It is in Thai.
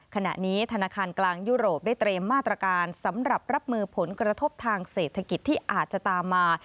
ขณะนี้ธนาคารกลางยุโรปได้เตรียมมาตรการสำหรับรับมือผลกระทบทางเศรษฐกิจที่อาจจะตามมา